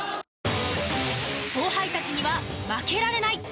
後輩たちには負けられない。